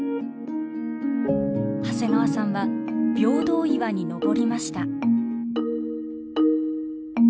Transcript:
長谷川さんは平等岩に登りました。